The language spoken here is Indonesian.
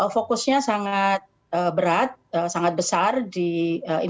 fokusnya sangat berat sangat besar di indonesia